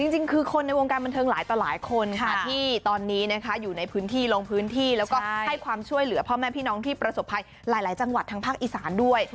จริงคือคนในวงการบันเทิงหลายต่อหลายคนค่ะที่ตอนนี้นะคะอยู่ในพื้นที่ลงพื้นที่แล้วก็ให้ความช่วยเหลือพ่อแม่พี่น้องที่ประสบภัยหลายจังหวัดทางภาคอีสานด้วย